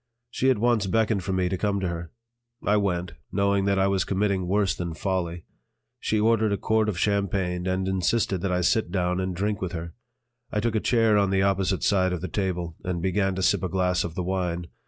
She at once beckoned for me to come to her. I went, knowing that I was committing worse than folly. She ordered a quart of champagne and insisted that I sit down and drink with her. I took a chair on the opposite side of the table and began to sip a glass of the wine.